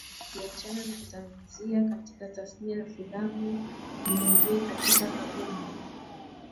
nikiachana na taanzia katika tasnia ya filamu nirejee katika kambumbu